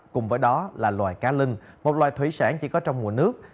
cùng với đó là loài cá linh một loài thủy sản chỉ có trong mùa nước